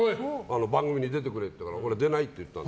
番組に出てくれって言うから俺は出ないって言ったの。